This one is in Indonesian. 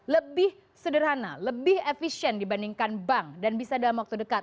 lebih sederhana lebih efisien dibandingkan bank dan bisa dalam waktu dekat